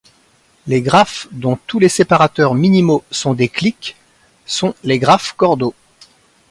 Les graphes dont tous les séparateurs minimaux sont des cliques sont les graphes cordaux.